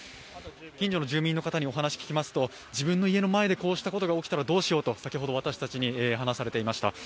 近所の住民の方にお話を聞きますと、自分の家の前でこうしたことが起きたらどうしようと先ほど私たちに話されていました。